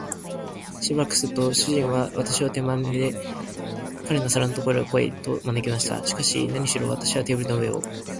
しばらくすると、主人は私を手まねで、彼の皿のところへ来い、と招きました。しかし、なにしろ私はテーブルの上を